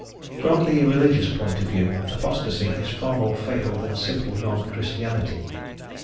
From the religious point of view, apostacy is far more fatal than simple non Christianity.